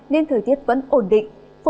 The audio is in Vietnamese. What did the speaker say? nên thời tiết vẫn ổn định